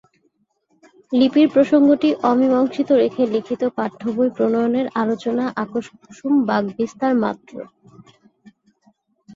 লিপির প্রসঙ্গটি অমীমাংসিত রেখে লিখিত পাঠ্যবই প্রণয়নের আলোচনা আকাশকুসুম বাকবিস্তার মাত্র।